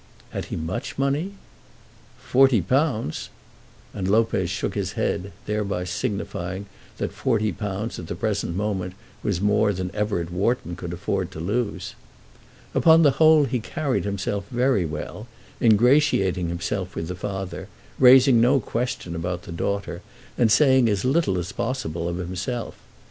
"Had he much money?" "Forty pounds!" And Lopez shook his head, thereby signifying that forty pounds at the present moment was more than Everett Wharton could afford to lose. Upon the whole he carried himself very well, ingratiating himself with the father, raising no question about the daughter, and saying as little as possible of himself.